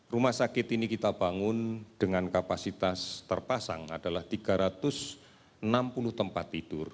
rumah sakit ini kita bangun dengan kapasitas terpasang adalah tiga ratus enam puluh tempat tidur